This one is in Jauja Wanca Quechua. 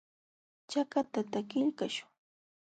Chakatata qillqaśhun.